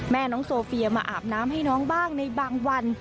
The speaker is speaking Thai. แม่น้องโซเฟียมาอาบน้ำให้น้องบ้างในบางวัน